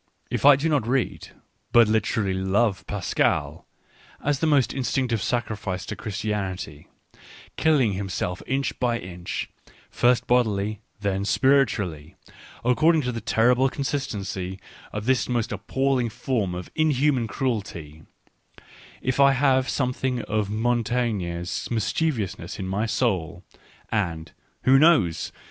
If I do not read, but literally love Pascal? as the most in stinctive sacrifice toChristianity, killing himself inch by inch, first bodily, then spiritually, according to the terrible consistency of this most appalling form of inhuman cruelty ; if I have something of Mon taigne's mischievousness in my soul, and — who knows